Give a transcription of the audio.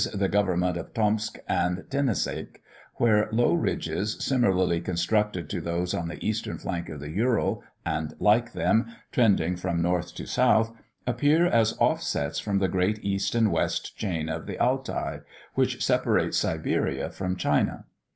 the government of Tomsk and Teniseik, where low ridges, similarly constructed to those on the eastern flank of the Ural, and like them, trending from north to south, appear as offsets from the great east and west chain of the Altai, which separates Siberia from China.